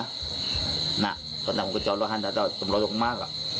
กระทั่งผมก็จอดละฮันจำนวนลงมาก